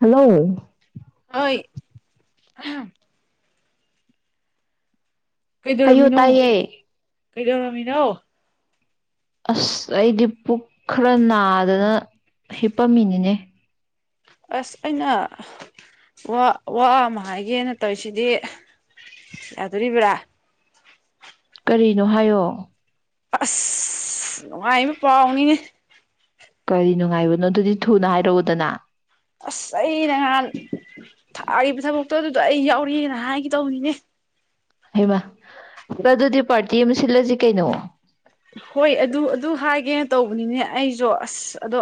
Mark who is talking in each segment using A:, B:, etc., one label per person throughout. A: hello
B: ꯑ ꯀꯩꯗꯧꯔꯝꯃꯤꯅꯣ
A: ꯀꯩꯣꯇꯥ ꯌꯦ
B: ꯀꯩꯗꯧꯔꯝꯃꯤꯅꯣ
A: ꯑꯁ ꯑꯩꯗꯤ ꯄꯨꯛ ꯈꯔ ꯅꯥꯗꯅ ꯍꯤꯞꯄꯝꯃꯤꯅꯤꯅꯦ
B: ꯑꯁ ꯑꯩꯅ ꯋꯥ ꯋꯥ ꯑꯃ ꯍꯥꯏꯒꯦꯅ ꯇꯧꯔꯤꯁꯤꯗꯤ ꯌꯥꯗꯣꯔꯤꯕ꯭ꯔꯥ
A: ꯀꯔꯤꯅꯣ ꯍꯥꯏꯌꯣ
B: ꯑꯁ ꯉꯅꯨꯡꯉꯥꯏꯕ ꯄ ꯎꯅꯤꯅꯦ
A: ꯀꯔꯤ ꯅꯨꯡꯉꯥꯏꯕꯅꯣ ꯑꯗꯨꯗꯤ ꯊꯨꯅ ꯍꯥꯏꯔꯛꯎꯗꯅ
B: ꯑꯁ ꯑꯩ ꯅꯍꯥꯟ ꯊꯥꯒꯤ ꯊꯕꯛꯇꯣ ꯑꯗꯨ ꯑꯗꯣ ꯑꯩ ꯌꯥꯎꯔꯤꯦꯅ ꯍꯥꯏꯒ ꯇꯧꯕꯅꯤꯅꯦ
A: ꯍꯩꯃꯥ ꯑꯗꯨꯗꯤ ꯄꯥꯔꯇꯤ ꯑꯃ ꯁꯤꯜꯂꯁꯤ ꯀꯩꯅꯣ
B: ꯍꯣꯏ ꯑꯗꯨ ꯑꯗꯨ ꯍꯥꯏꯒꯦꯅ ꯇꯧꯕꯅꯤꯅꯦ ꯑꯩꯁꯨ ꯑꯁ ꯑꯗꯣ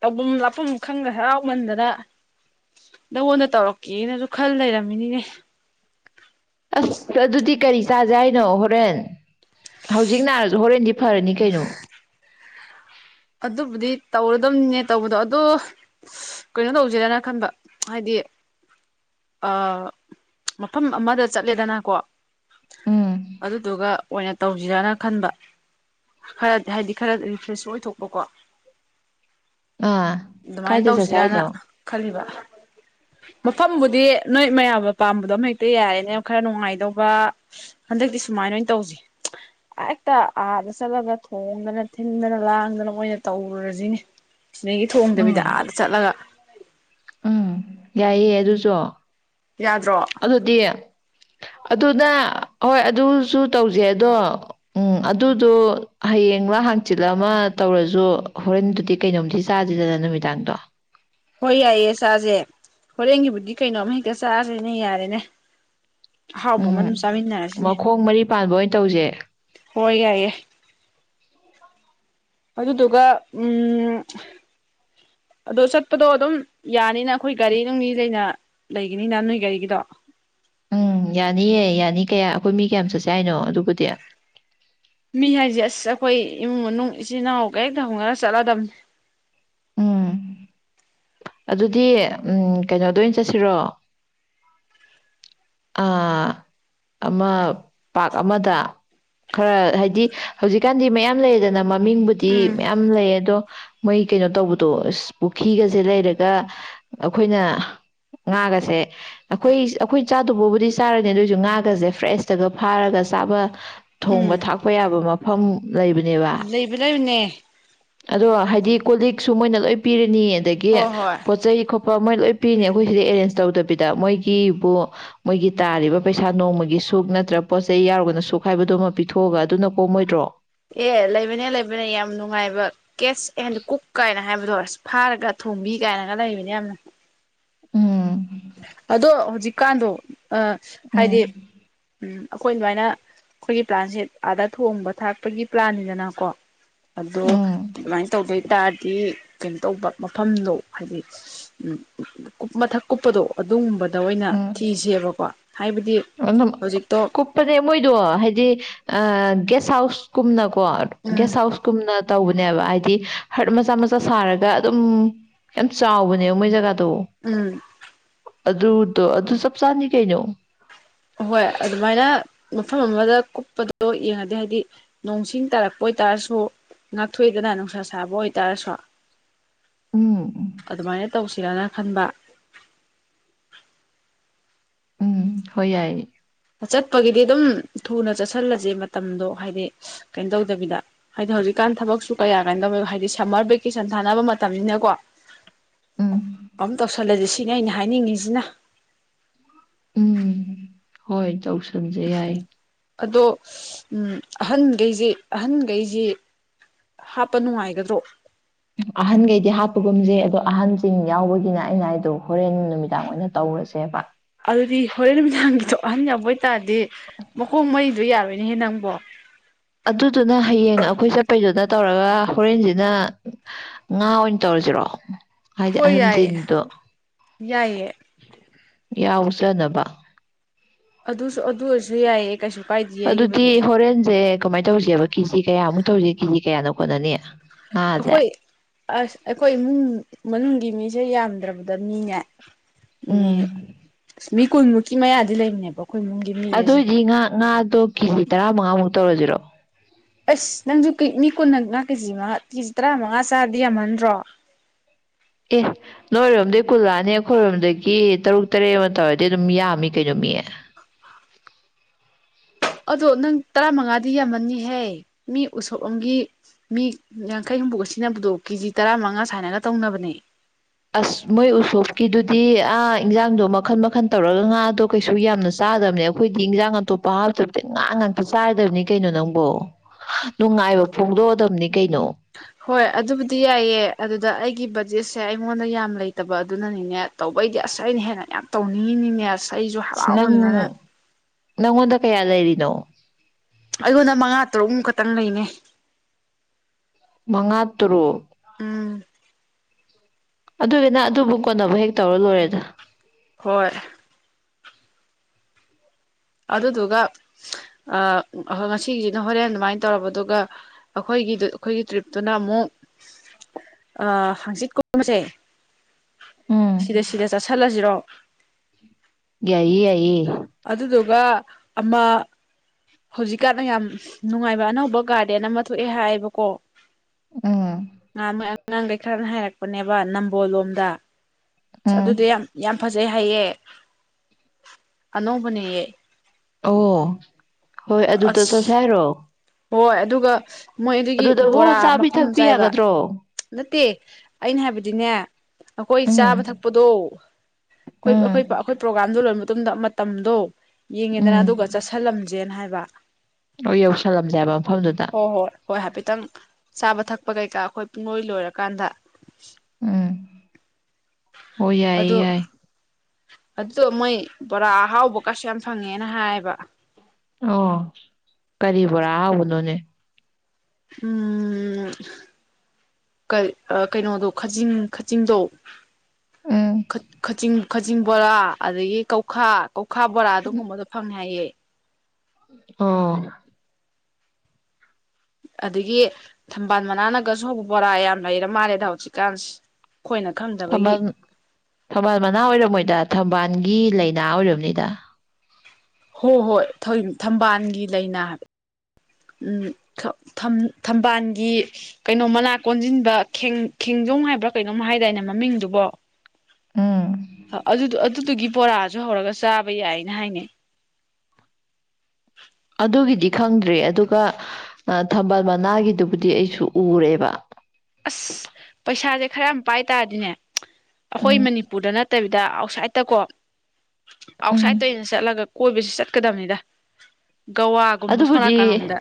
B: ꯇꯧꯐꯝ ꯂꯥꯞꯐꯝ ꯈꯪꯗ ꯍꯔꯥꯎꯃꯟꯗꯅ ꯅꯉꯣꯟꯗ ꯇꯧꯔꯛꯀꯦꯅꯁꯨ ꯈꯜ ꯂꯩꯔꯝꯃꯤꯅꯤꯅꯦ
A: ꯑꯁ ꯑꯗꯨꯗꯤ ꯀꯔꯤ ꯆꯥꯖꯦ ꯍꯥꯏꯅꯣ ꯍꯣꯔꯦꯟ ꯍꯧꯖꯤꯛ ꯅꯥꯔꯁꯨ ꯍꯣꯔꯦꯟꯗꯤ ꯐꯔꯅꯤ ꯀꯩꯅꯣ
B: ꯑꯗꯨꯕꯨꯗꯤ ꯇꯧꯔꯗꯝꯗꯝꯅꯦ ꯇꯧꯕꯗꯣ ꯑꯗꯨ ꯀꯩꯅꯣ ꯇꯧꯁꯤꯔꯅ ꯈꯟꯕ ꯍꯥꯏꯗꯤ ꯃꯐꯝ ꯑꯃꯗ ꯆꯠꯂꯦꯗꯅꯀꯣ
A: ꯎꯝ
B: ꯑꯗꯨꯗꯨꯒ ꯑꯣꯏꯅ ꯇꯧꯁꯤꯔꯅ ꯈꯟꯕ ꯈꯔꯗꯤ ꯍꯥꯏꯗꯤ ꯈꯔ ꯔꯤꯐ꯭ꯔꯦꯁ ꯑꯣꯏꯊꯣꯛ ꯀꯥ
A: ꯑꯥ
B: ꯑꯗꯨꯃꯥꯏꯅ
A: ꯀꯥꯏꯗ ꯆꯠꯁꯦ
B: ꯇꯧꯁꯤꯔꯅ
A: ꯍꯥꯏꯅꯣ
B: ꯈꯜꯂꯤꯕ ꯃꯐꯝꯕꯨꯗꯤ ꯅꯣꯏ ꯃꯌꯥꯝꯕ ꯄꯥꯝꯕꯗꯣ ꯑꯃ ꯍꯦꯛꯇ ꯌꯥꯔꯦꯅꯦ ꯌꯥꯝ ꯈꯔ ꯅꯨꯡꯉꯥꯏꯗꯧꯕ ꯍꯟꯗꯛꯇꯤ ꯁꯨꯃꯥꯏꯅ ꯑꯣꯏꯅ ꯇꯧꯁꯤ ꯍꯦꯛꯇ ꯑꯥꯗ ꯆꯠꯂꯒ ꯊꯣꯡꯗꯅ ꯊꯤꯟꯗꯅ ꯂꯥꯡꯗꯅ ꯃꯣꯏ ꯑꯣꯏꯅ ꯇꯧꯔꯨꯔꯁꯤꯅꯦ ꯅꯒꯤ ꯊꯣꯡꯗꯕꯤꯗ
A: ꯎꯝ
B: ꯑꯥꯗ ꯆꯠꯂꯒ
A: ꯎꯝ ꯌꯥꯏꯌꯦ ꯑꯗꯨꯁꯨ
B: ꯌꯥꯗ꯭ꯔꯣ
A: ꯑꯗꯨꯗꯤ ꯑꯗꯨꯅ ꯍꯣꯏ ꯑꯗꯨꯁꯨ ꯇꯧꯁꯦ ꯑꯗꯣ ꯎꯝ ꯑꯗꯨꯗꯣ ꯍꯌꯦꯡꯂꯡꯂ ꯍꯥꯡꯆꯤꯜ ꯑꯃ ꯇꯧꯔꯁꯨ ꯍꯣꯔꯦꯟꯗꯨꯗꯤ ꯀꯩꯅꯣꯝꯗꯤ ꯆꯥꯗꯗꯅ ꯅꯨꯃꯤꯗꯥꯡꯗꯣ
B: ꯍꯣꯏ ꯌꯥꯏꯌꯦ ꯆꯥꯁꯦ ꯍꯣꯔꯦꯟꯒꯤꯕꯨꯗꯤ ꯀꯩꯅꯣꯝꯃ ꯍꯦꯛꯇ ꯆꯥꯁꯦꯅꯦ ꯌꯥꯔꯦꯅꯦ ꯑꯍꯥꯎꯕ ꯑꯃ
A: ꯎꯝ
B: ꯑꯗꯨꯝ ꯆꯥꯃꯤꯟꯅꯔꯁꯤꯅꯦ
A: ꯃꯈꯣꯡ ꯃꯔꯤ ꯄꯥꯟꯕ ꯑꯣꯏꯅ ꯇꯧꯁꯦ
B: ꯍꯣꯏ ꯌꯥꯏ ꯌꯥꯏ ꯑꯗꯨꯗꯨꯒ ꯎꯝ ꯑꯣ ꯆꯠꯄꯗꯣ ꯑꯗꯨꯝ ꯌꯥꯅꯤꯅ ꯑꯩꯈꯣꯏ ꯒꯥꯔꯤ ꯅꯨꯡꯅꯤ ꯂꯩꯅ ꯂꯩꯒꯅꯤꯅ ꯅꯣꯏ ꯒꯥꯔꯤꯒꯤꯗꯣ
A: ꯎꯝ ꯌꯥꯅꯤꯑ ꯌꯥꯅꯤ ꯀꯌꯥ ꯑꯩꯈꯣꯏ ꯃꯤ ꯀꯌꯥꯝ ꯆꯠ ꯆ ꯍꯥꯏꯅꯣ ꯑꯗꯨꯕꯨꯗꯤ
B: ꯃꯤ ꯍꯥꯏꯁꯦ ꯑꯁ ꯑꯩꯈꯣꯏ ꯏꯃꯨꯡ ꯃꯅꯨꯡ ꯏꯆꯤꯟꯜ ꯏꯅꯥꯎ ꯀꯔꯤꯦꯛ ꯊ ꯍꯧꯉꯒ ꯆꯠꯂꯗꯕꯅꯤ
A: ꯎꯝ ꯑꯗꯨꯗꯤ ꯀꯩꯅꯣꯗ ꯑꯣꯏꯅ ꯆꯠꯁꯤꯔꯣ ꯑ ꯑꯃ ꯄꯥ ꯑꯃꯗ ꯈꯔ ꯍꯥꯏꯗꯤ ꯍꯧꯖꯤꯛꯀꯥꯟꯗꯤ ꯃꯌꯥꯝ ꯂꯩꯌꯦꯗꯅ ꯃꯃꯤꯡꯕꯨꯗꯤ
B: ꯎꯝ
A: ꯃꯌꯥꯝ ꯂꯩ ꯑꯗꯣ ꯃꯣꯏ ꯀꯩꯅꯣ ꯇꯧꯕꯗꯣ ꯑ ꯄꯨꯈ꯭ꯔꯤꯒꯁꯦ ꯂꯩꯔꯒ ꯑꯩꯈꯣꯏꯅ ꯉꯥꯒꯁꯦ ꯑꯩꯈꯣꯏ ꯑꯩꯈꯣꯏ ꯆꯥꯗꯕꯕꯨꯗꯤ ꯆꯥꯔꯅꯤ ꯑꯗꯨꯑꯣꯏꯁꯨ ꯉꯥꯒꯁꯦ ꯐ꯭ꯔꯦꯁꯇꯒ ꯐꯥꯔꯒ ꯆꯥꯕ ꯊꯣꯡꯕ
B: ꯎꯝ
A: ꯊꯥꯛꯄ ꯌꯥꯕ ꯃꯐꯝ ꯂꯩꯕꯅꯦꯕ
B: ꯂꯩꯕ ꯂꯩꯕꯅꯦ
A: ꯑꯗꯣ ꯍꯥꯏꯗꯤ ꯀꯣꯂꯤꯛꯁꯨ ꯃꯣꯏꯅ ꯂꯣꯏ ꯄꯤꯔꯅꯤ ꯑꯗꯒꯤ
B: ꯍꯣꯏ ꯍꯣꯏ
A: ꯄꯣꯠ ꯆꯩ ꯃꯣꯏ ꯂꯣꯏ ꯄꯤꯅꯤ ꯑꯩꯈꯣꯏ ꯁꯤꯗꯩ ꯑꯦꯔꯦꯟꯖ ꯇꯧꯗꯕꯤꯗ ꯃꯣꯏꯒꯤꯕꯨ ꯃꯣꯏꯒꯤ ꯇꯥꯔꯤꯕ ꯄꯩꯁꯥ ꯅꯣꯡꯃꯒꯤ ꯁꯨꯛ ꯅꯠꯇ꯭ꯔꯒ ꯄꯣꯠ ꯆꯩ ꯌꯥꯎꯔꯒꯅ ꯁꯨꯛ ꯍꯥꯏꯕꯗꯨꯃ ꯄꯤꯊꯣꯛꯑꯒ ꯑꯗꯨꯅ ꯀꯣꯝꯃꯣꯏꯗ꯭ꯔꯣ
B: ꯑꯦ ꯂꯩꯕꯅꯦ ꯑꯦ ꯀꯨꯀꯥꯏ ꯀꯥꯏꯅ ꯍꯥꯏꯕꯗꯣ ꯑꯁ ꯐꯥꯔꯒ ꯊꯣꯡꯕꯤ ꯀꯥꯏꯅꯒ ꯂꯩꯕꯅꯦ ꯌꯥꯝꯅ
A: ꯎꯝ
B: ꯖꯤꯀꯥꯟꯗꯣ ꯑ
A: ꯎꯝ
B: ꯍꯥꯏꯗꯤ ꯎꯝ ꯑꯩꯈꯣꯏ ꯑꯗꯨꯃꯥꯏꯅ ꯑꯩꯈꯣꯏꯒꯤ ꯄ꯭ꯂꯥꯟꯁꯦ ꯑꯥꯗ ꯊꯣꯡꯕ ꯊꯥꯛꯄꯒꯤ ꯄ꯭ꯂꯥꯟꯅꯤꯗꯅꯀꯣ ꯑꯗꯣ
A: ꯎꯝ
B: ꯑꯗꯨꯃꯥꯏꯅ ꯇꯧꯗꯣꯏ ꯍꯥꯏꯇꯥꯔꯗꯤ ꯀꯩꯅꯣ ꯇꯧꯕ ꯃꯐꯝꯗꯣ ꯍꯥꯏꯗꯤ ꯀꯨꯞ ꯃꯊꯛ ꯀꯨꯞꯄꯗꯣ ꯑꯗꯨꯒꯨꯝꯕꯅꯤ
A: ꯎꯝ
B: ꯍꯧꯖꯤꯛꯇꯣ
A: ꯀꯨꯞꯄꯅꯦ ꯃꯣꯏꯗꯣ ꯍꯥꯏꯗꯤ ꯑ ꯒꯁ ꯍꯥꯎꯁꯒꯨꯝꯅꯒꯣ
B: ꯎꯝ
A: ꯒꯁ ꯍꯥꯎꯁ ꯀꯨꯝꯅ ꯇꯧꯕ ꯕ ꯍꯥꯏꯗꯤ ꯍꯔꯠ ꯃꯆꯥ ꯃꯆꯥ ꯁꯥꯔꯒ ꯑꯗꯨꯝ ꯌꯥꯝ ꯆꯥꯎꯕꯅꯦꯕ ꯃꯣꯏ ꯖꯒꯥꯗ
B: ꯎꯝ
A: ꯑꯗꯨ ꯑꯗꯨ ꯆꯞ ꯆꯥꯅꯤ ꯀꯩꯩꯅꯣ
B: ꯑꯣꯏ ꯑꯗꯨꯃꯥꯏꯅ ꯃꯐꯝ ꯑꯃꯗ ꯀꯨꯞꯄꯗꯣ ꯌꯦꯡꯉꯗꯤ ꯍꯥꯏꯕꯗꯤ ꯅꯣꯡꯁꯤꯡ ꯇꯥꯔꯛꯄ ꯑꯣꯏꯇꯥꯔꯁꯨ ꯉꯥꯛꯊꯣꯛꯏꯗꯅ ꯅꯨꯡꯁꯥ ꯁꯥꯕ ꯑꯣꯏꯇꯥꯔꯁꯨ
A: ꯎꯝ ꯎꯝ
B: ꯑꯗꯨꯃꯥꯏꯅ ꯇꯧꯁꯤꯔꯅ ꯈꯟꯕ
A: ꯎꯝ ꯍ ꯌꯥꯏ
B: ꯆꯠꯄꯒꯤꯗꯤ ꯑꯗꯨꯝ ꯊꯨꯅ ꯆꯠꯁꯤꯜꯂꯁꯦ ꯃꯇꯝꯗꯣ ꯍꯥꯏꯗꯤ ꯀꯩꯅꯣ ꯇꯧꯗꯕꯤꯗ ꯍꯥꯏꯗꯤ ꯍꯧꯖꯤꯛꯀꯥꯟ ꯊꯕꯛꯁꯨ ꯀꯌꯥ ꯀꯥꯏꯣ ꯇꯧꯋꯕ ꯍꯥꯏꯗꯤ ꯁꯝꯃꯔ ꯚꯦꯀꯦꯁꯟ ꯊꯥꯅꯕ ꯃꯇꯝꯅꯤꯅꯀꯣ
A: ꯎꯝ
B: ꯑꯃ ꯇꯁꯂꯦ ꯁꯤ ꯁꯤꯅꯦ ꯑꯩꯅ ꯍꯥꯏꯅꯤꯡꯉꯤꯁꯤꯅ
A: ꯎꯝ ꯍꯣꯏ ꯆꯧꯁ ꯊꯝꯖ ꯌꯥꯏ
B: ꯑꯗꯣ ꯎ ꯑꯍꯟꯈꯩꯁꯤꯦ ꯑꯍꯟꯈꯩꯁꯤ ꯍꯥꯞꯄ ꯅꯨꯡꯉꯥꯏꯒꯗ꯭ꯔꯣ
A: ꯑꯍꯟꯈꯩꯗꯤ ꯍꯥꯞꯄꯒꯨꯝꯁꯦ ꯑꯗꯣ ꯑꯍꯟꯁꯤꯡ ꯌꯥꯎꯕꯒꯤꯅ ꯑꯩꯅ ꯍꯥꯏꯗꯣ ꯍꯣꯔꯦꯟ ꯅꯨꯃꯤꯗꯥꯡ ꯑꯣꯏꯅ ꯇꯧꯔꯁꯦꯕ
B: ꯑꯗꯨꯗꯤ ꯍꯣꯔꯦꯟ ꯅꯨꯃꯤꯗꯥꯡꯒꯤꯗꯣ ꯑꯍꯟ ꯌꯥꯎꯕ ꯑꯣꯏꯇꯥꯔꯗꯤ ꯃꯈꯣꯡ ꯃꯩꯗꯣ ꯌꯥꯔꯣꯏꯅꯦꯍꯦ ꯅꯪꯕꯣ
A: ꯑꯗꯨꯗꯨꯅ ꯍꯌꯦꯡ ꯑꯩꯈꯣꯏ ꯆꯠꯄꯩꯗꯨꯅ ꯇꯧꯔꯒ ꯍꯣꯔꯦꯟꯁꯤꯅ ꯉꯥ ꯑꯣꯏꯅ ꯇꯧꯔꯁꯤꯔꯣ ꯍꯥꯏꯗꯤ
B: ꯍꯣꯏ ꯌꯥꯏꯌꯦ
A: ꯑꯍꯟꯁꯤꯡꯗꯣ
B: ꯌꯥꯏꯌꯦ
A: ꯌꯥꯎꯖꯅꯕ
B: ꯑꯗꯨꯁꯨ ꯑꯗꯨꯁꯨ ꯌꯥꯏꯌꯦ ꯀꯁꯨ
A: ꯑꯗꯨꯗꯤ ꯍꯣꯔꯦꯟꯁꯦ ꯀꯃꯥꯏ ꯇꯧꯁꯦꯕ ꯀꯤꯖꯤ ꯀꯌꯥꯃꯨꯛ ꯇꯧꯔꯤꯦ ꯀꯦꯖꯤ ꯀꯌꯥꯅꯣ ꯍꯠꯅꯅꯤ ꯑꯗ꯭ꯔꯦ
B: ꯑꯩꯈꯣꯏ ꯑꯁ ꯑꯩꯈꯣꯏ ꯏꯃꯨꯡ ꯃꯅꯨꯡꯒꯤ ꯃꯤꯁꯦ ꯌꯥꯝꯗ꯭ꯔꯕꯗ ꯃꯤꯅꯦ ꯎ
A: ꯎꯝ
B: ꯃꯤ ꯀꯨꯟꯃꯨꯛꯀꯤ ꯃꯌꯥꯗꯤ ꯂꯩꯕꯅꯦꯕꯣ
A: ꯑꯗꯨ ꯑꯣꯏꯗꯤ ꯉꯥ ꯉꯥꯗꯣ ꯀꯦꯖꯤ ꯇꯔꯥꯃꯉꯥꯃꯨꯛꯇ ꯇꯔꯣ ꯖꯤꯔꯣ
B: ꯑꯁ ꯅꯪꯁꯨꯅꯤ ꯀꯨꯟꯅ ꯅ ꯀꯦꯖꯤ ꯃꯉꯥ ꯀꯦꯖꯤ ꯇꯔꯥꯃꯉꯥ ꯆꯥꯗꯤ ꯌꯥꯝꯍꯟꯗ꯭ꯔꯣ
A: ꯑꯦ ꯅꯣꯏꯔꯣꯝꯗꯩ ꯀꯨꯜꯂꯛꯑꯅꯤ ꯑꯩꯈꯣꯏꯔꯣꯝꯗꯒꯤ ꯇꯔꯨꯛ ꯇꯔꯦꯠ ꯑꯃ ꯇꯧꯔꯗꯤ ꯑꯗꯨꯝ ꯌꯥꯝꯃꯤ ꯀꯩꯅꯣ ꯃꯤꯌꯦ
B: ꯑꯗꯣ ꯅꯪ ꯇꯔꯥꯃꯉꯥꯗꯤ ꯌꯥꯝꯃꯅꯤꯍꯦ ꯃꯤ ꯎꯁꯣꯞ ꯑꯝꯒꯤ ꯃꯤ ꯌꯥꯡꯈꯩ ꯍꯨꯝꯐꯨꯒ ꯁꯤꯟꯅꯕꯗꯣ ꯀꯦꯖꯤ ꯇꯔꯥꯃꯉꯥ ꯁꯥꯏꯅꯒ ꯇꯧꯅꯕꯅꯦ
A: ꯑꯁ ꯃꯣꯏ ꯎꯁꯣꯞꯀꯤꯗꯨꯗꯤ ꯑ ꯏꯟꯖꯥꯡꯗꯣ ꯃꯈꯜ ꯃꯈꯟ ꯇꯧꯔꯒ ꯉꯥꯗꯣ ꯀꯩꯁꯨ ꯌꯥꯝꯅ ꯆꯥꯗꯕꯅꯦ ꯑꯩꯈꯣꯏꯗꯤ ꯏꯟꯖꯥꯡ ꯑꯇꯣꯞꯄ ꯍꯥꯞꯇꯕꯗꯤ ꯉꯥ ꯉꯥꯛꯇ ꯆꯥꯗꯕꯅꯤ ꯀꯩꯅꯣ ꯅꯪꯕꯣ ꯅꯨꯡꯉꯥꯏꯕ ꯐꯣꯡꯗꯣꯛꯑꯗꯕꯅꯤ ꯀꯩꯅꯣ
B: ꯍꯣꯏ ꯑꯗꯨꯕꯨꯗꯤ ꯌꯥꯏꯑ ꯑꯗꯨꯗ ꯑꯩꯒꯤ ꯕꯖꯦꯠꯁꯦ ꯑꯩꯉꯣꯟꯗ ꯌꯥꯝ ꯂꯩꯇꯕ ꯑꯗꯨꯅꯅꯤꯅꯦ ꯇꯧꯕꯩꯗꯤ ꯑꯁ ꯑꯩꯅ ꯍꯦꯟꯅ ꯌꯥꯝ ꯇꯧꯅꯤꯡꯉꯤꯅꯤꯅꯦ ꯑꯁ ꯑꯩꯁꯨ
A: ꯑꯁ ꯅꯪ
B: ꯍꯔꯥꯎꯃꯟꯗꯅ
A: ꯅꯪꯉꯣꯟꯗ ꯀꯌꯥ ꯂꯩꯔꯤꯅꯣ
B: ꯑꯩꯉꯣꯟꯗ ꯃꯉꯥ ꯇꯔꯨꯛꯃꯨꯛ ꯈꯛꯇꯪ ꯂꯩꯅꯦ
A: ꯃꯉꯥ ꯇꯔꯨꯛ
B: ꯑꯥ
A: ꯑꯗꯨꯏꯗꯨꯅ ꯑꯗꯨꯕꯨ ꯀꯣꯟꯕꯨ ꯍꯦꯛ ꯇꯧꯔ ꯂꯣꯏꯔꯦꯗ
B: ꯍꯔ ꯑꯗꯨꯗꯨꯒ ꯉꯁꯤꯒꯤꯁꯤꯅ ꯍꯣꯔꯦꯟ ꯑꯗꯨꯃꯥꯏꯅ ꯇꯧꯔꯕ ꯑꯗꯨꯒ ꯑꯩꯈꯣꯏꯒꯤꯗꯨ ꯑꯩꯈꯣꯏꯒꯤ ꯇ꯭ꯔꯤꯞꯇꯨꯅ ꯑꯃꯨꯛ ꯍꯥꯡꯆꯤꯠ ꯀꯁꯦ
A: ꯎꯝ ꯌꯥꯏꯌꯦ ꯌꯥꯏꯌꯦ
B: ꯋꯥ ꯑꯃꯃ ꯍꯧꯖꯤꯛꯀꯥꯟꯗ ꯌꯥꯝ ꯅꯨꯡꯉꯥꯏꯕ ꯑꯅꯧꯕ ꯒꯥꯔꯗꯦꯟ ꯑꯃ ꯊꯣꯛꯑꯦ ꯍꯥꯏꯌꯦꯕꯀꯣ
A: ꯎꯝ
B: ꯑ ꯑꯉꯥꯡꯈꯩ ꯈꯔꯅ ꯍꯥꯏꯔꯛꯄꯅꯦꯕ ꯅꯝꯕꯣꯜꯂꯣꯝꯗ
A: ꯎꯝ
B: ꯑꯗꯨꯗꯤ ꯌꯥꯝ ꯌꯥꯝ ꯐꯖꯩ ꯖꯩ ꯍꯥꯏꯌꯦ ꯑꯅꯧꯕꯅꯦꯌꯦ
A: ꯑꯣ ꯍꯣꯏ ꯑꯗꯨꯗ ꯆꯁ
B: ꯑꯁ
A: ꯍꯥꯏꯔꯣ
B: ꯍꯣꯏ ꯑꯗꯨꯒ ꯃꯣꯏ ꯑꯗꯨꯒꯤ
A: ꯑꯗꯨꯗꯕꯨ
B: ꯕꯣꯔꯥ
A: ꯆꯥꯕꯤ
B: ꯃꯐꯝ
A: ꯊꯛꯄꯤ
B: ꯆꯥꯏꯕ
A: ꯌꯥꯒꯗ꯭ꯔꯣ
B: ꯅꯠꯇꯦ ꯑꯩꯅ ꯍꯥꯏꯕꯗꯤꯅꯦ ꯑꯩꯈꯣꯏ
A: ꯎꯝ
B: ꯆꯥꯕ ꯊꯛꯄꯗꯣ ꯑꯩꯈꯣꯏ
A: ꯎꯝ
B: ꯑꯩꯈꯣꯏ ꯑꯩꯈꯣꯏ ꯄ꯭ꯔꯣꯒꯥꯝꯗꯨ ꯂꯣꯏ ꯇꯨꯝꯗ ꯃꯇꯝꯗꯣ ꯌꯦꯡꯉꯦꯗꯅ ꯑꯗꯨꯒ ꯆꯠꯁꯜꯂꯝꯃꯤ ꯖꯦꯟ ꯍꯥꯏꯕ
A: ꯑꯣꯏ ꯑꯁ ꯊꯜꯂꯝꯂꯦꯕ ꯃꯐꯝꯗꯨꯗ
B: ꯍꯣꯏ ꯍꯣꯏ ꯍꯣꯏ ꯍꯥꯏꯐꯦꯠꯇꯪ ꯆꯥꯕ ꯊꯛꯄ ꯀꯩꯀꯥ ꯑꯩꯈꯣꯏ ꯂꯣꯏ ꯂꯣꯏꯔꯀꯥꯟꯗ
A: ꯎꯝ ꯑꯣ ꯌꯥꯏꯌꯦ ꯌꯥꯏ
B: ꯑꯗꯨ ꯑꯃꯥꯏ ꯄꯨꯔ ꯑꯍꯥꯎ ꯑꯣꯕꯀꯁꯤ ꯌꯥꯝ ꯐꯪꯉꯦꯅ ꯍꯥꯏꯌꯦꯕ
A: ꯑꯣ ꯀꯔꯤꯕꯣꯔꯥ ꯍꯍꯥꯎꯕꯅꯣꯅꯦ
B: ꯎꯝ ꯀꯩꯅꯣꯗꯣ ꯈꯖꯤꯡ ꯈꯥꯖꯤꯡꯗꯣ ꯀꯆꯤꯡ ꯈꯖꯤꯡ ꯕꯣꯔꯥ ꯑꯗꯒꯤ ꯀꯧꯈꯥꯛ ꯀꯧꯈꯥ ꯕꯣꯔꯥ ꯑꯗꯨꯒꯝꯨꯝꯕꯗ ꯐꯪꯉꯦ ꯍꯥꯏꯌꯦ
A: ꯑꯣ
B: ꯑꯗꯒꯤ ꯊꯝꯕꯥꯜ ꯃꯅꯥꯅꯒꯁꯨꯧꯕ ꯕꯣꯔꯥ ꯌꯥꯝ ꯂꯩꯔ ꯃꯥꯜꯂꯦꯗ ꯍꯧꯖꯤꯛꯀꯥꯟꯁꯦ ꯑꯩꯈꯣꯏꯅ ꯈꯪꯗꯕꯒꯤ
A: ꯊꯝꯕꯥꯜ ꯊꯝꯕꯥꯜ ꯃꯅꯥ ꯑꯣꯏꯔꯝꯃꯣꯏꯗ ꯊꯝꯕꯥꯜ ꯒꯤ ꯂꯥꯏꯅꯥ ꯑꯣꯏꯔꯕꯅꯤꯗ
B: ꯍꯣꯏ ꯍꯣꯏ ꯊꯝꯕꯥꯜꯒꯤ ꯂꯩꯅ ꯍꯥꯏꯕ ꯎꯝ ꯊꯝꯕꯥꯜꯒꯤ ꯀꯩꯅꯣ ꯃꯅꯥ ꯀꯣꯟꯁꯤꯟꯕ ꯈꯦꯡꯖꯣꯝ ꯍꯥꯏꯕ꯭ꯔꯥ ꯀꯩꯅꯣꯝ ꯍꯥꯏꯗꯥꯏꯅꯦ ꯃꯃꯤꯡꯗꯨꯕꯣ ꯑꯗꯨ ꯑꯗꯨꯗꯨꯒꯤ ꯕꯣꯔꯥꯁꯨ ꯍꯧꯔꯒ ꯆꯥꯕ ꯌꯥꯏꯅ ꯍꯥꯏꯅꯩ
A: ꯑꯗꯨꯒꯤꯗꯤ ꯈꯪꯗ꯭ꯔꯦ ꯑꯗꯨꯒ ꯊꯝꯕꯥꯜ ꯃꯅꯥꯒꯤꯗꯨꯕꯨꯗꯤ ꯑꯩꯁꯨ ꯎꯔꯦꯕ
B: ꯑꯁ ꯄꯩꯁꯥꯁꯦ ꯈꯔ ꯑꯃ ꯄꯥꯏ ꯇꯥꯔꯗꯤꯅꯦ ꯑꯩꯈꯣꯏ
A: ꯎꯝ
B: ꯃꯅꯤꯄꯨꯔꯗ ꯅꯠꯇ ꯐꯠꯇꯕꯤꯗ ꯑꯥꯎꯠꯁꯥꯏꯠꯇꯀꯣ ꯑꯥꯎꯠ
A: ꯎꯝ
B: ꯁꯥꯏꯠ ꯇꯩꯅ ꯆꯠꯂꯒ ꯀꯣꯏꯕꯕꯁꯤ ꯆꯠꯀꯗꯕꯅꯤꯗ ꯒꯋꯥꯒꯨꯝꯕ ꯁꯣꯝ
A: ꯑꯗꯨꯕꯨꯗꯤ
B: ꯅꯥꯀꯜꯂꯣꯝꯗ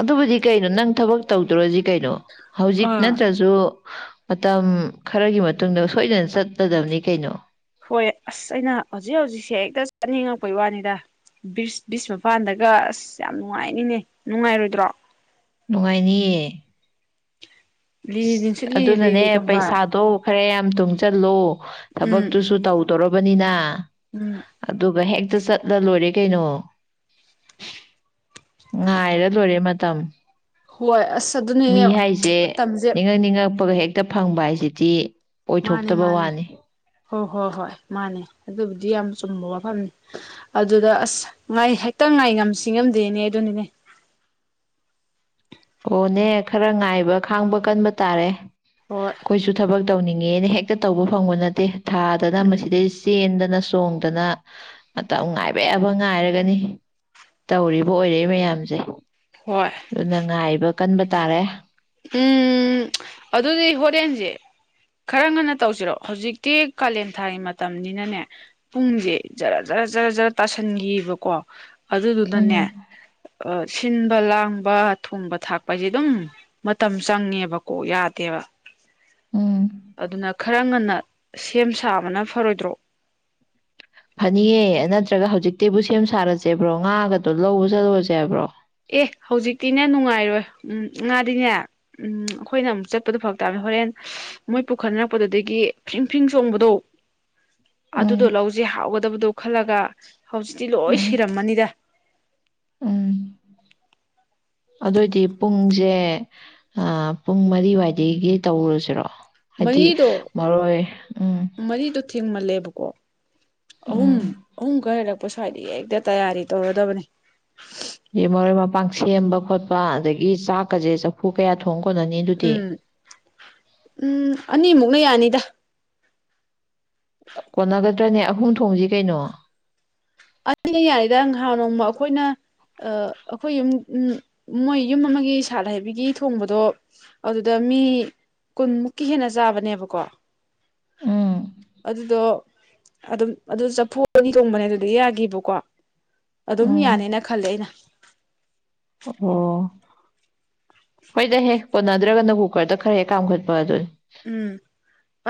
A: ꯑꯗꯨꯕꯨꯗꯤ ꯀꯩꯅꯣ ꯅꯪ ꯊꯕꯛ ꯇꯧꯗ꯭ꯔꯣꯖꯤꯛ ꯀꯩꯅꯣ ꯍꯧꯖꯤꯛ
B: ꯑꯥ
A: ꯅꯠꯇ꯭ꯔꯁꯨ ꯃꯇꯝ ꯈꯔꯒꯤ ꯃꯇꯨꯡꯗ ꯁꯣꯏꯗꯅ ꯆꯠꯀꯗꯕꯅꯤ ꯀꯩꯅꯣ
B: ꯍꯣꯏ ꯑꯁ ꯑꯩꯅ ꯍꯧꯖꯤꯛ ꯍꯧꯖꯤꯛꯁꯦ ꯍꯦꯛꯇ ꯆꯠꯅꯤꯡꯉꯛꯄꯩ ꯋꯥꯅꯤꯗ ꯕꯤ꯭ꯔꯤꯁ ꯃꯄꯥꯟꯗꯒ ꯑꯁ ꯌꯥꯝ ꯅꯨꯡꯉꯥꯏꯅꯤꯅꯦ ꯅꯨꯡꯉꯥꯏꯔꯣꯏꯗ꯭ꯔꯣ
A: ꯅꯨꯡꯉꯥꯏꯅꯤꯌꯦ
B: ꯂꯤꯔꯤ ꯅꯨꯡꯁꯤꯠ
A: ꯑ
B: ꯂꯤꯔꯤ
A: ꯑꯗꯨꯅꯅꯦ
B: ꯂꯤꯔꯤꯒꯨꯝꯕ
A: ꯄꯩꯁꯥꯗꯣ ꯈꯔ ꯌꯥꯝ ꯇꯨꯡꯁꯤꯜꯂꯣ ꯊꯕꯛ
B: ꯎꯝ
A: ꯇꯨ ꯁꯨ ꯇꯥꯎ ꯎ ꯇꯔꯣ ꯕꯅꯤꯅ
B: ꯎꯝ
A: ꯑꯗꯨꯒ ꯍꯦꯛꯇ ꯆꯠꯂ ꯂꯣꯏꯔꯦ ꯀꯩꯅꯣ ꯉꯥꯏꯔ ꯂꯣꯏꯔꯦ ꯃꯇꯝ
B: ꯍꯣꯏ ꯑ ꯑꯗꯨꯅ ꯊꯝ
A: ꯄ ꯍꯦ ꯍꯦꯛꯇ ꯐꯪꯕ ꯍꯥꯏꯁꯤꯗꯤ
B: ꯃꯥꯅꯦ
A: ꯑꯣꯏꯊꯣꯛꯇꯕ
B: ꯃꯥꯅꯦ
A: ꯋꯥꯅꯤ
B: ꯍꯣꯏ ꯍꯣꯏ ꯍꯣꯏ ꯃꯥꯅꯦ ꯑꯗꯨꯕꯨꯗꯤ ꯌꯥꯝ ꯆꯨꯝꯕ ꯋꯥꯐꯝꯅꯤ ꯑꯗꯨꯗ ꯑꯁ ꯉꯥꯏ ꯍꯦꯛꯇ ꯉꯥꯏ ꯉꯝꯁꯤ ꯉꯝꯗꯦꯅꯦ ꯑꯗꯨꯅꯤꯅꯦ
A: ꯑꯣꯅꯦ ꯈꯔ ꯉꯥꯏꯕ ꯈꯥꯡꯕ ꯀꯟꯕ ꯇꯥꯔꯦ
B: ꯍꯣꯏ
A: ꯀꯣꯏꯁꯨ ꯊꯕꯛ ꯇꯧꯅꯤꯡꯉꯦꯅ ꯍꯦꯛꯇ ꯇꯧꯕ ꯐꯪꯕ ꯅꯠꯇꯦ ꯊꯥꯗꯅ
B: ꯎꯝ
A: ꯃꯁꯤꯗꯩ ꯇꯦꯟꯗꯅ ꯆꯣꯡꯗꯅ ꯃꯇꯝ ꯉꯥꯏꯕ ꯌꯥꯕ ꯉꯥꯏꯔꯒꯅꯤ ꯇꯧꯔꯤꯕ ꯑꯣꯏꯔꯛꯏ ꯃꯌꯥꯝꯁꯦ
B: ꯍꯣꯏ
A: ꯑꯗꯨꯅ ꯉꯥꯏꯕ ꯀꯟꯕ ꯇꯥꯔꯦ
B: ꯎꯝ ꯑꯗꯨꯗꯤ ꯍꯣꯔꯦꯟꯁꯦ ꯈꯔ ꯉꯟꯅ ꯇꯧꯁꯤꯔꯣ ꯍꯧꯖꯤꯛꯇꯤ ꯀꯥꯂꯦꯟ ꯊꯥꯒꯤ ꯃꯇꯝꯅꯤꯅꯅꯦ ꯄꯨꯡꯁꯦ ꯖꯔ ꯖꯔ ꯖꯔ ꯖꯔ ꯇꯥꯁꯟꯈꯤꯕꯀꯣ ꯑꯗꯨ
A: ꯎꯝ
B: ꯑꯗꯨꯗꯟꯅꯦ ꯑ ꯁꯤꯟꯕ ꯂꯥꯡꯕ ꯊꯣꯡꯕ ꯊꯥꯛꯄ ꯍꯥꯏꯁꯦ ꯑꯗꯨꯝ ꯃꯇꯝ ꯆꯪꯉꯦꯕꯀꯣ ꯑꯣ ꯌꯥꯗꯦꯕ
A: ꯎꯝ
B: ꯑꯗꯨꯅ ꯈꯔ ꯉꯟꯅ ꯁꯦꯝ ꯁꯥꯕꯅ ꯐꯔꯣꯏꯗ꯭ꯔꯣ
A: ꯐꯅꯤꯑꯦ ꯅꯠꯇ꯭ꯔꯒ ꯍꯧꯖꯤꯛꯇꯤꯕꯨ ꯁꯦꯝ ꯁꯥꯔꯁꯦꯕ꯭ꯔꯣ ꯉꯥꯒꯗꯣ ꯂꯧꯕ ꯆꯠꯂꯨꯔꯁꯦ ꯍꯥꯏꯕ꯭ꯔꯣ
B: ꯑꯦ ꯍꯧꯖꯤꯛꯇꯤꯅꯦ ꯅꯨꯡꯉꯥꯏꯔꯣꯏ ꯎꯝ ꯉꯥꯗꯤꯅꯦ ꯎꯝ ꯑꯩꯈꯣꯏꯅ ꯑꯃꯨꯛ ꯆꯠꯄꯗꯣ ꯐꯛ ꯇꯥꯕꯅꯦ ꯍꯣꯔꯦꯟ ꯃꯣꯏ ꯄꯨꯈꯠꯅꯔꯛꯄꯗꯨꯗꯒꯤ ꯐ꯭ꯔꯤꯡ ꯐ꯭ꯔꯤꯡ ꯆꯣꯡꯕꯗꯣ
A: ꯎꯝ
B: ꯑꯗꯨꯗꯣ ꯂꯧꯖꯩ ꯍꯥꯎꯒꯗꯕꯗꯣ ꯈꯜꯂꯒ ꯍꯧꯖꯤꯛꯇꯤ ꯂꯣꯏ
A: ꯎꯝ
B: ꯁꯤꯔꯝꯃꯅꯤꯗ
A: ꯎꯝ ꯑꯗꯨꯑꯣꯏꯗꯤ ꯄꯨꯡꯁꯦ ꯄꯨꯡ ꯃꯔꯤꯋꯥꯏꯗꯒꯤ ꯇꯧꯔꯨꯁꯤꯔꯣ ꯍꯥꯏꯗꯤ
B: ꯃꯔꯤꯗꯣ
A: ꯃꯔꯣꯏ ꯎꯝ
B: ꯊꯤꯡꯃꯜꯂꯦꯕꯀꯣ ꯑꯍꯨꯝ
A: ꯎꯝ
B: ꯑꯍꯨꯝ ꯈꯔ ꯂꯦꯜꯂꯛꯄ ꯁ꯭ꯋꯥꯏꯗ ꯍꯦꯛꯇ ꯇꯌꯥꯔꯤ ꯇꯧꯔꯗꯕꯅꯤ
A: ꯑ ꯃꯔꯣꯏ ꯃꯄꯥꯡ ꯁꯦꯝꯕ ꯈꯣꯠꯄ ꯑꯗꯒꯤ ꯆꯥꯛꯀꯁꯦ ꯆꯐꯨ ꯀꯌꯥ ꯊꯣꯡ ꯀꯣꯟꯅꯅꯤ ꯑꯗꯨꯗꯤ
B: ꯎꯝ ꯎꯝ ꯑꯅꯤꯃꯨꯛꯅ ꯌꯥꯅꯤꯗ
A: ꯀꯣꯟꯅꯒꯗ꯭ꯔꯅꯦ ꯑꯍꯨꯝ ꯊꯣꯡꯁꯤ ꯀꯩꯅꯣ
B: ꯑꯩꯅ ꯌꯥꯏꯗ ꯉꯍꯥꯟ ꯅꯣꯡꯃ ꯑꯩꯈꯣꯏꯅ ꯑꯩꯈꯣꯏ ꯌꯨꯝ ꯃꯣꯏ ꯌꯨꯝ ꯑꯃꯒꯤ ꯁꯥꯠ ꯍꯩꯕꯤꯒꯤ ꯊꯣꯡꯕꯗꯣ ꯑꯗꯨꯗ ꯃꯤ ꯀꯨꯟꯃꯨꯛꯀꯤ ꯍꯦꯟꯅ ꯆꯥꯕꯅꯦꯕꯀꯣ
A: ꯎꯝ
B: ꯑꯗꯨꯗꯣ ꯑꯗꯨꯝ ꯑꯗꯨ ꯆꯐꯨ ꯑꯅꯤ ꯊꯣꯡꯕꯅꯦ ꯑꯗꯨ ꯑꯗꯨ ꯌꯥꯈꯤꯕꯀꯣ ꯑꯗꯨꯝ
A: ꯎꯝ
B: ꯌꯥꯅꯦꯅ ꯈꯜꯂꯦ ꯑꯩꯅ
A: ꯑꯣ ꯍꯣꯏꯗ ꯍꯦꯛ ꯄꯣꯟꯅꯗ꯭ꯔꯒꯅ ꯀꯨꯀꯔꯗ ꯈꯔ ꯍꯦꯛ ꯀꯥꯝꯈꯠꯄ ꯑꯗꯨ
B: ꯎꯝ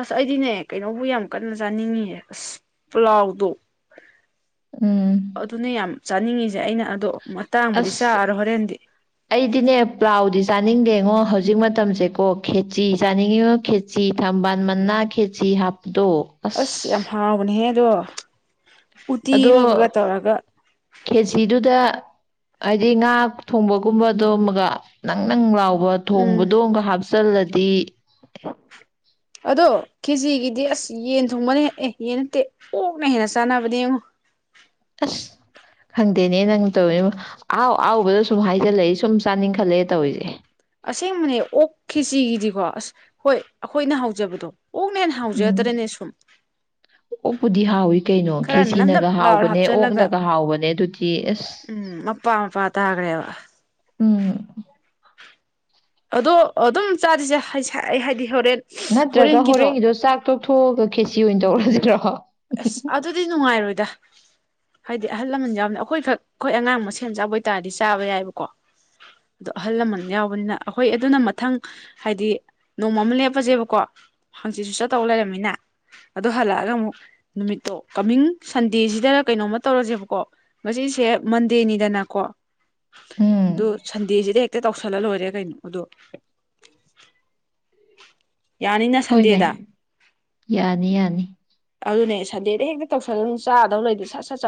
B: ꯑꯁ ꯑꯩꯗꯤꯅꯦ ꯀꯩꯅꯣꯕꯨ ꯌꯥꯝ ꯀꯟꯅ ꯆꯥꯅꯤꯡꯉꯤꯌꯦ ꯑꯁ ꯄ꯭ꯂꯥꯎꯗꯣ ꯑꯗꯨ
A: ꯎꯝ
B: ꯑꯗꯨꯅ ꯌꯥꯝ ꯆꯥꯅꯤꯡꯉꯤꯁꯦ ꯑꯩꯅ ꯑꯗꯣ ꯃꯇꯥꯡꯕꯨꯗꯤ
A: ꯑꯁ
B: ꯆꯥꯔꯣꯏ ꯍꯣꯔꯦꯟꯗꯤ
A: ꯑꯩꯗꯤꯅꯦ ꯄ꯭ꯂꯥꯎꯗꯤꯁ ꯆꯥꯅꯤꯡꯗꯦꯉꯣ ꯍꯧꯖꯤꯛ ꯃꯇꯝꯁꯦꯀꯣ ꯈꯦꯆꯤ ꯆꯥꯅꯤꯡꯉꯤꯉꯣ ꯈꯦꯆꯤ ꯊꯝꯕꯥꯜ ꯃꯅꯥ ꯈꯦꯆꯤ ꯍꯥꯞ
B: ꯑꯁ ꯌꯥꯝ ꯍꯥꯎꯕꯅꯦꯍꯦꯛ ꯗꯣ
A: ꯑꯗꯣ ꯀꯦꯖꯤꯗꯨꯗ ꯍꯥꯏꯗꯤ ꯉꯥ ꯊꯣꯡꯕꯒꯨꯝꯕꯗꯣ ꯑꯃꯒ ꯅꯪ ꯅꯪ ꯂꯥꯎꯕ
B: ꯎꯝ
A: ꯊꯣꯡꯕꯗꯣ ꯍꯥꯞꯆꯤꯜꯂꯗꯤ ꯍꯥꯞꯆꯥꯜꯂꯗꯤ
B: ꯑꯗꯣ ꯀꯦꯖꯤꯒꯤꯗꯤ ꯑꯁ ꯌꯦꯟ ꯊꯣꯡꯕꯅꯤ ꯑꯦ ꯌꯦꯟ ꯅꯠꯇꯦ ꯑꯣꯛꯅ ꯍꯦꯟꯅ ꯆꯥꯅꯕꯅꯦ ꯌꯦꯡꯉꯣ
A: ꯑꯁ ꯈꯪꯗꯦꯅꯦ ꯅꯪ ꯇꯧꯔꯤꯅꯦ ꯑꯍꯥꯎ ꯑꯍꯥꯎꯕꯗ ꯁꯨꯝ ꯍꯥꯏꯖꯤꯜꯂꯛꯏ ꯁꯨꯝ ꯆꯥꯅꯤꯡꯈꯠꯂꯛꯑꯦ ꯇꯧꯔꯤꯁꯦ
B: ꯑꯁꯦꯡꯕꯅꯦ ꯑꯣꯛ ꯈꯤꯆꯤꯒꯤꯗꯤꯀꯣ ꯑꯁ ꯍꯣꯏ ꯑꯩꯈꯣꯏꯅ ꯍꯧꯖꯕꯗꯣ ꯑꯣꯛꯅ ꯍꯦꯟꯅ
A: ꯎꯝ
B: ꯍꯧꯖꯗ꯭ꯔꯅꯦ ꯁꯨꯝ
A: ꯑꯣꯛꯄꯨꯗꯤ ꯍꯥꯎꯋꯏ ꯀꯩꯅꯣ
B: ꯈꯔ ꯅꯞ ꯅꯞ
A: ꯈꯦꯁꯤꯅꯒ
B: ꯂꯥꯎꯔ
A: ꯍꯥꯎꯕꯅꯦ
B: ꯍꯥꯞꯆꯜꯂꯒ
A: ꯑꯣꯛꯅꯒ ꯍꯥꯎꯕꯅꯦ ꯑꯗꯨꯗꯤ ꯑꯁ
B: ꯎꯝ ꯃꯄꯥ ꯃꯄꯥ ꯇꯥꯈ꯭ꯔꯦꯕ
A: ꯎꯝ
B: ꯑꯗꯣ ꯑꯗꯨꯝ ꯆꯥꯔꯤꯁꯦ ꯍꯥꯏꯗꯤ ꯍꯣꯔꯦꯟ
A: ꯅꯠꯇ꯭ꯔꯒ ꯍꯣꯔꯦꯟꯒꯤꯗꯣ ꯆꯥꯛ ꯇꯣꯛꯊꯣꯛꯑꯒ ꯈꯦꯁꯤ ꯑꯣꯏꯅ ꯆꯧꯔꯖꯤꯠ꯭ꯔꯍꯣ
B: ꯑꯁ ꯑꯗꯨꯗꯤ ꯅꯨꯡꯉꯥꯏꯔꯣꯏꯗꯤ ꯗ ꯍꯥꯏꯗꯤ ꯑꯍꯜ ꯂꯃꯟ ꯌꯥꯎꯕꯅꯤꯅ ꯑꯩꯈꯣꯏꯈꯛ ꯑꯩꯈꯣꯏ ꯑꯉꯥꯡ ꯃ ꯁꯦꯝꯦꯟ ꯆꯥꯕ ꯑꯣꯏꯇꯥꯥꯔꯗꯤ ꯆꯥꯕ ꯌꯥꯏꯑꯕꯀꯣ ꯑꯣ ꯑꯍꯜ ꯂꯃꯟ ꯌꯥꯎꯕꯅꯤꯅ ꯑꯩꯈꯣꯏ ꯑꯗꯨꯅ ꯃꯊꯪ ꯍꯥꯏꯗꯤ ꯅꯣꯡꯃ ꯑꯃ ꯂꯦꯞꯄꯁꯦꯕꯀꯣ ꯍꯪꯆꯤꯠꯁꯨ ꯆꯠꯇꯧ ꯂꯩꯔꯝꯃꯤꯅ ꯑꯣ ꯍꯜꯂꯛꯑꯒ ꯑꯃꯨꯛ ꯅꯨꯃꯤꯠꯇꯣ ꯀꯃꯤꯡ ꯁꯟꯗꯦꯁꯤꯗ ꯀꯩꯅꯣꯝꯃ ꯇꯧꯔꯁꯦꯕꯀꯣ ꯉꯁꯤꯁꯦ ꯃꯟꯗꯦꯅꯤꯗꯅꯀꯣ
A: ꯎꯝ
B: ꯑꯗꯨ ꯁꯟꯗꯁꯤꯗꯤ ꯇꯧꯁꯜꯂ ꯂꯣꯏꯔꯦ ꯀꯩꯅꯣ ꯑꯗꯣ ꯌꯥꯅꯤꯅ ꯁꯟꯗꯦꯗ
A: ꯍꯣꯏꯅꯦ ꯌꯥꯅꯤ ꯌꯥꯅꯤ
B: ꯑꯗꯨꯅꯦ ꯁꯟꯗꯦꯗ ꯍꯦꯛꯇ ꯇꯧꯁꯜꯂ ꯆꯥꯗꯧ ꯂꯩꯗꯤꯦ ꯁꯠ ꯁꯠ ꯆꯠ